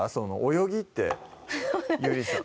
泳ぎってゆりさん